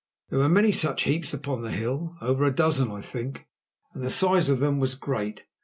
There were many such heaps upon the hill, over a dozen, I think, and the size of them was great.